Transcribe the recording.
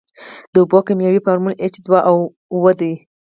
د اوبو کیمیاوي فارمول ایچ دوه او دی.